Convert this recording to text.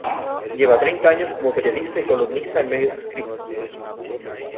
Lleva treinta años como periodista y columnista en medios escritos.